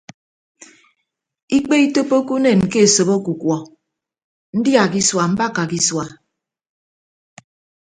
Ikpe itoppoke unen ke esop ọkukuọ ndia ke isua mbakka ke isua.